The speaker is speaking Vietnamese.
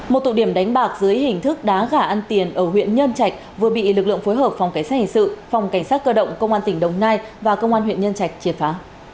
một tụ điểm đánh bạc dưới hình thức đá gà ăn tiền ở huyện nhân trạch vừa bị lực lượng phối hợp phòng cảnh sát hình sự phòng cảnh sát cơ động công an tỉnh đồng nai và công an huyện nhân trạch triệt phá